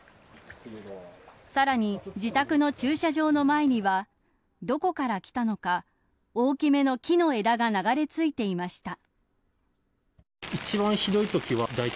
さらに、自宅の駐車場の前にはどこから来たのか大きめの木の枝が流れ着いていました。